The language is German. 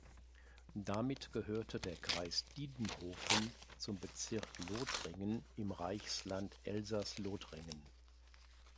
Damit gehörte der Kreis Diedenhofen zum Bezirk Lothringen im Reichsland Elsaß-Lothringen.